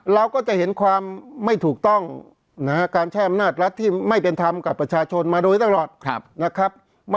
เราก็จะเห็นความไม่ถูกต้องการแช่อำนาจรัฐที่ไม่เป็นธรรมกับประชาชนมาโดยตลอดนะครับ